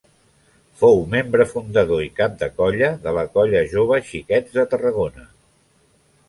Fou membre fundador i cap de colla de la Colla Jove Xiquets de Tarragona.